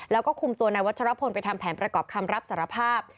แล้วก็คุมตัวนายวัชรพลไปทำแผนประกอบคำรับสารภาพ